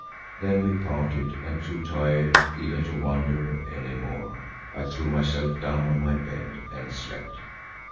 Then we parted, and too tired even to wonder any more, I threw myself down on my bed and slept.